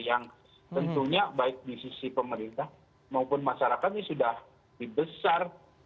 yang tentunya baik di sisi pemerintah maupun masyarakat ini sudah lebih besar